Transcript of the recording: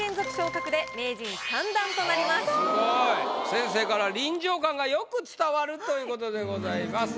先生から「臨場感がよく伝わる」ということでございます。